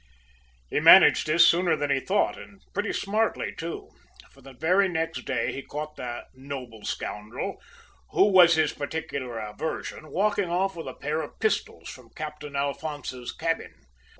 "' "He managed this sooner than he thought, and pretty smartly too, for the very next day he caught the noble scoundrel, who was his particular aversion, walking off with a pair of pistols from Captain Alphonse's cabin.